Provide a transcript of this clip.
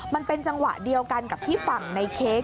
มันเป็นจังหวะเดียวกันกับที่ฝั่งในเค้ก